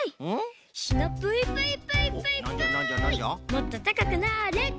もっとたかくなれ！